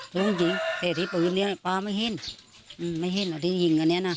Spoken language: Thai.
แตกจีบสองปีนี้ฟาไม่เห็นถ้ายิงกันเนี่ยน่ะ